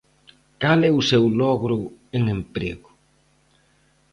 ¿Cal é o seu logro en emprego?